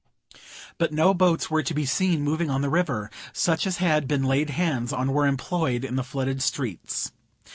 But no boats were to be seen moving on the river,—such as had been laid hands on were employed in the flooded streets.